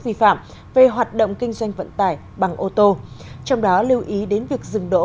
vi phạm về hoạt động kinh doanh vận tải bằng ô tô trong đó lưu ý đến việc dừng đỗ